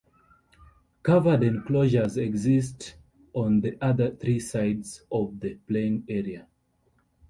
Covered enclosures exist on the other three sides of the playing area.